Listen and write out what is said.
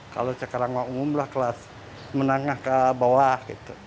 kalau sekarang mengumumlah kelas menangah ke bawah